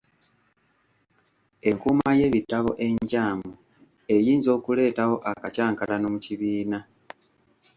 Enkuuma y’ebitabo enkyamu eyinza okuleetawo akacankalano mu kibiina.